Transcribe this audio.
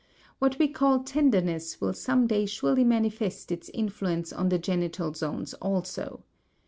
What we call tenderness will some day surely manifest its influence on the genital zones also.